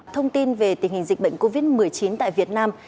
thông tin về tình hình dịch bệnh covid một mươi chín tại việt nam